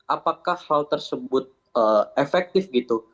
apakah hal tersebut efektif gitu